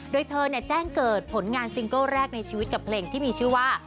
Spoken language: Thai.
โดยเธอแจ้งเกิดผลงานซิงเกิ้ลแรกในชีวิตกับเพลงที่มีชื่อว่า